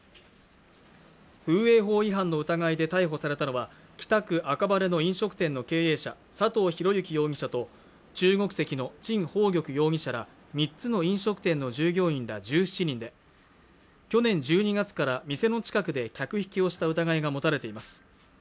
風営法違反の疑いで逮捕されたのは北区赤羽の飲食店の経営者佐藤弘之容疑者と中国籍の陳鳳玉容疑者ら３つの飲食店の従業員ら１７人で去年１２月から店の近くで客引きをした疑いが持たれています